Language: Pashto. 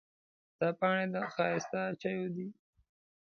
دا پاڼې د ښایسته چایو دي.